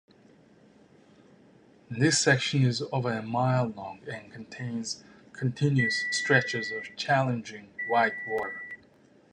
This section is over a mile long and contains continuous stretches of challenging whitewater.